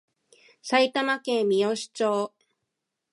埼玉県三芳町